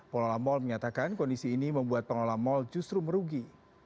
pengelola mal menyatakan kondisi ini membuat pengelola mal justru merugi